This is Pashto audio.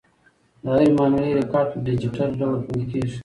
د هرې معاملې ریکارډ په ډیجیټل ډول خوندي کیږي.